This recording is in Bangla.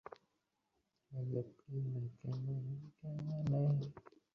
তার সঙ্গে আমার মেয়ের কোনো দিন দেখা হয় নি।